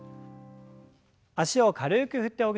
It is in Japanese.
脚を軽く振ってほぐします。